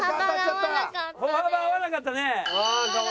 歩幅が合わなかったです。